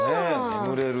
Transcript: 眠れる。